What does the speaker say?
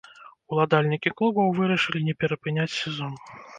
Уладальнікі клубаў вырашылі не перапыняць сезон.